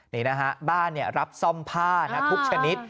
นี่นะฮะบ้านรับซ่อมผ้านะทุกชนิด